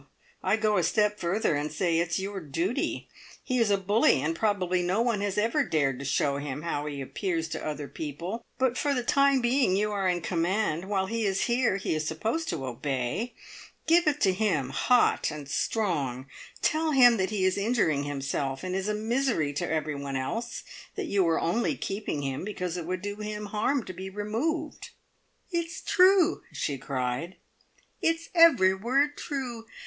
I go a step further, and say it's your duty. He is a bully, and probably no one has ever dared to show him how he appears to other people, but for the time being you are in command; while he is here, he is supposed to obey. Give it to him hot and strong! Tell him that he is injuring himself, and is a misery to every one else that you are only keeping him, because it would do him harm to be removed." "It's true!" she cried. "It's every word true.